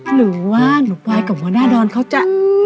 หรือว่าหนูไปกับมณาดอนเขาจ๊ะ